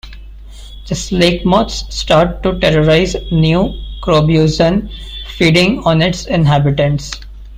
The slakemoths start to terrorise New Crobuzon, feeding on its inhabitants.